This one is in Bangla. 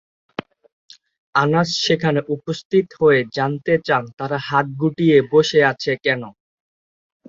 আনাস সেখানে উপস্থিত হয়ে জানতে চান তারা হাত গুটিয়ে বসে আছেন কেন?